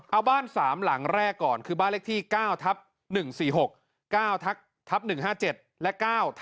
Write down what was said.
เอาบ้าน๓หลังแรกก่อนคือบ้านเลขที่๙ทับ๑๔๖๙ทับ๑๕๗และ๙๕